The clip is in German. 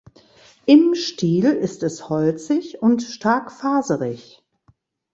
Im Stiel ist es holzig und stark faserig.